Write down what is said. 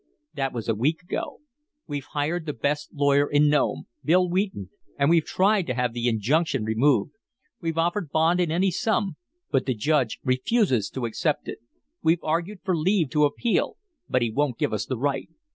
"That was a week ago. We've hired the best lawyer in Nome Bill Wheaton and we've tried to have the injunction removed. We've offered bond in any sum, but the Judge refuses to accept it. We've argued for leave to appeal, but he won't give us the right.